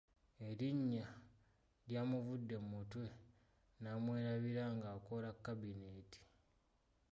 Erinnya lyamuvudde mu mutwe n’amwerabira ng’akola kabineeti.